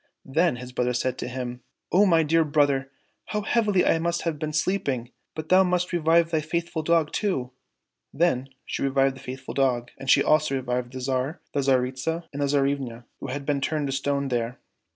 Then his brother said to him, '' Oh, my dear brother, how heavily I must have been sleeping ! But thou must revive my faithful dog too !" Then she revived the faithful dog, and she also revived the Tsar and the Tsaritsa and the Tsarivna, who had been turned to stone there.